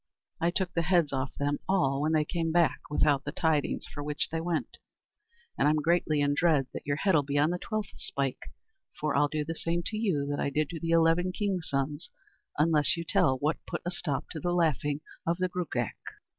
I took the heads off them all when they came back without the tidings for which they went, and I'm greatly in dread that your head'll be on the twelfth spike, for I'll do the same to you that I did to the eleven kings' sons unless you tell what put a stop to the laughing of the Gruagach."